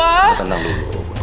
kamu tenang dulu